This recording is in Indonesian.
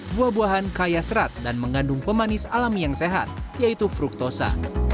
buah buahan kaya serat dan mengandung pemanis alami yang sehat yaitu fruktosa